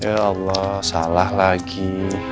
ya allah salah lagi